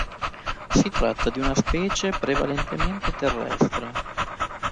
Si tratta di una specie prevalentemente terrestre.